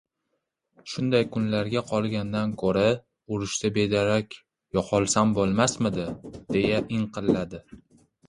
— Shunday kunlarga qolgandan ko‘ra, urushda bedarak yo‘qolsam bo‘lmasmidi...— deya inqilladi.